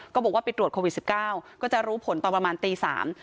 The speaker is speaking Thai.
ก็บอกว่าไปตรวจโควิดสิบเก้าก็จะรู้ผลตอนประมาณตีสาม